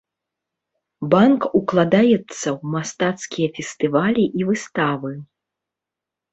Банк укладаецца ў мастацкія фестывалі і выставы.